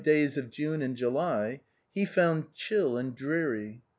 days of June and July, he found chill and dreary.